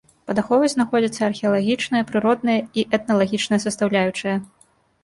Пад аховай знаходзяцца археалагічная, прыродная і этналагічная састаўляючая.